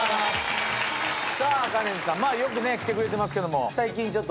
さあカレンさんよく来てくれてますけども。